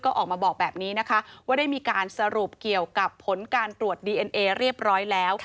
ก็ออกมาบอกแบบนี้นะคะว่าได้มีการสรุปเกี่ยวกับผลการตรวจดีเอ็นเอเรียบร้อยแล้ว